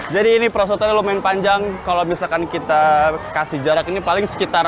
jadi ini perusahaan lumayan panjang kalau misalkan kita kasih jarak ini paling sekitar